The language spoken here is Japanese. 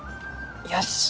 よし！